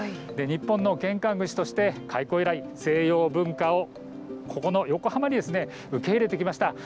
日本の玄関口として開港以来西洋文化をこの横浜に受け入れてきました。